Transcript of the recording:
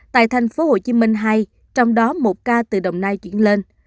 tại thành phố hồ chí minh hai trong đó một ca từ đồng nai chuyển lên